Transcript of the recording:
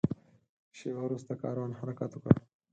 شېبه وروسته کاروان حرکت وکړ.